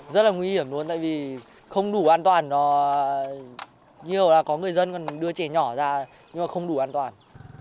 rất là nguy hiểm luôn tại vì không đủ an toàn nhiều là có người dân còn đưa trẻ nhỏ ra nhưng mà không đủ an toàn